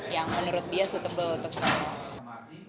yang menurut dia suitable untuk saya